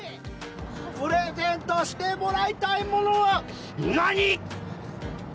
プレゼントしてもらいたいものは何？